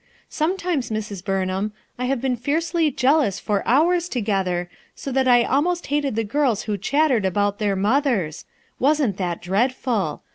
Sometimes, Mrs. Burnham, I have been fiercely jealous for hours together, so that I almost hated the girls who chattered about their mothers. Wasn't that dreadful!